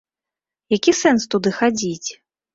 Які сэнс туды хадзіць?